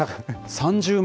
３０万